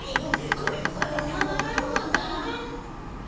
これがまたたまらんのだ。